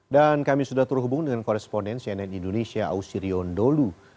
dan kami sudah terhubung dengan korespondensi net indonesia ausirion dolu